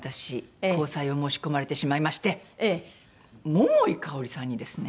桃井かおりさんにですね。